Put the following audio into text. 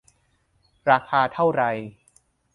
ราคาเท่าไร